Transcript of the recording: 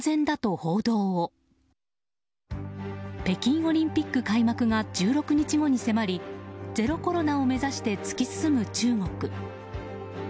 北京オリンピック開幕が１６日後に迫りゼロコロナを目指して突き進む中国。